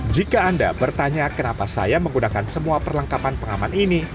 jika anda bertanya kenapa saya menggunakan semua perlengkapan pengaman ini